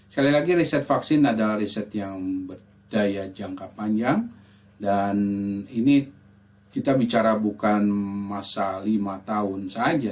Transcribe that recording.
sekali lagi riset vaksin adalah riset yang berdaya jangka panjang dan ini kita bicara bukan masa lima tahun saja